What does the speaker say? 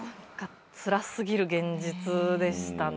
つら過ぎる現実でしたね。